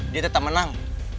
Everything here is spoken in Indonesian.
dia tetep menang